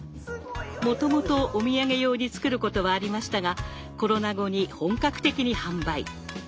もともとお土産用に作ることはありましたがコロナ後に本格的に販売。